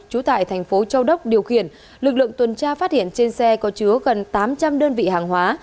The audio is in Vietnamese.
trú tại thành phố châu đốc điều khiển lực lượng tuần tra phát hiện trên xe có chứa gần tám trăm linh đơn vị hàng hóa